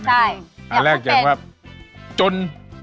กลางแรกจะวิ่งว่าจน